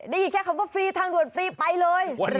ได้ยินแค่คำว่าฟรีทางด่วนฟรีไปเลย